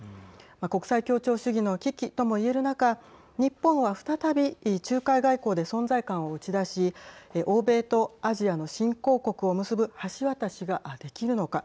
国際協調主義の危機とも言える中日本は再び仲介外交で存在感を打ち出し欧米とアジアの新興国を結ぶ橋渡しができるのか。